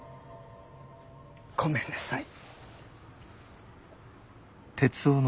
ごめんなさい。